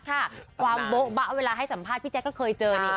ประมาณเวลาให้สัมภาษณ์มันเจอ